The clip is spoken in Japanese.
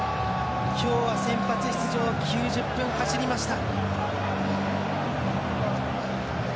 今日は先発出場９０分走りました。